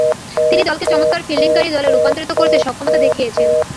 তিনি দলকে চমৎকার ফিল্ডিংকারী দলে রূপান্তরিত করতে সক্ষমতা দেখিয়েছেন।